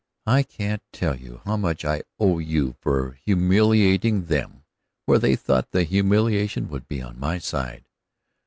I can't tell you how much I owe you for humiliating them where they thought the humiliation would be on my side."